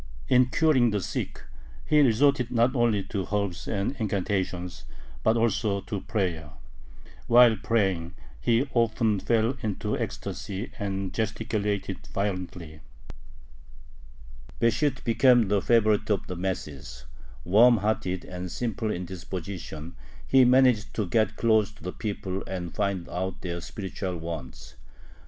In curing the sick, he resorted not only to herbs and incantations, but also to prayer. While praying, he often fell into ecstasy and gesticulated violently. Besht became the favorite of the masses. Warm hearted and simple in disposition, he managed to get close to the people and find out their spiritual wants.